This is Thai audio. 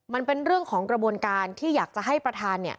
มันเป็นเรื่องของกระบวนการที่อยากจะให้ประธานเนี่ย